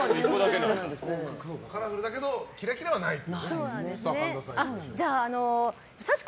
カラフルだけどキラキラはないと。